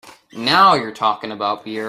Now you are talking about beer!